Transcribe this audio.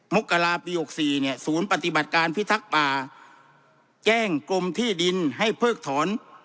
มกราปี๖๔เนี่ยศูนย์ปฏิบัติการพิทักษ์ป่าแจ้งกรมที่ดินให้เพิกถอน